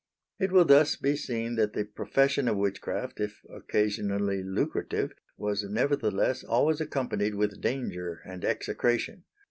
It will thus be seen that the profession of witchcraft, if occasionally lucrative, was nevertheless always accompanied with danger and execration.